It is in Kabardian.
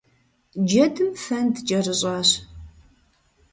Джэдым фэнд кӀэрыщӀащ.